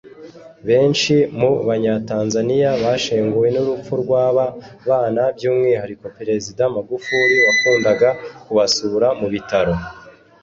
Benshi mu banya Tanzania bashenguwe n’urupfu rw’aba bana by’umwihariko perezida Magufuli wakundaga kubasura mu bitaro